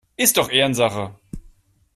Ist doch Ehrensache!